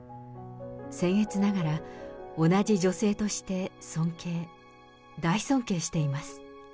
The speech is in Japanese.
せん越ながら、同じ女性として尊敬、大尊敬しています。